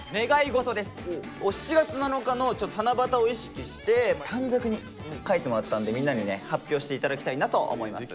７月７日の七夕を意識して短冊に書いてもらったんでみんなに発表して頂きたいなと思います。